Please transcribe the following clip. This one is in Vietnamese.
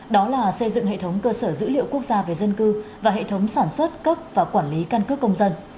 đó là xây dựng hệ thống cơ sở dữ liệu quốc gia về dân cư và hệ thống sản xuất cấp và quản lý căn cước công dân